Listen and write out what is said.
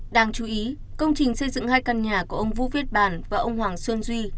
đáng chú ý công trình xây dựng hai căn nhà của ông vũ viết bàn và ông hoàng xuân duy